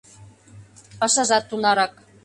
— Пашажат тунарак.